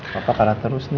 papa kalah terus nih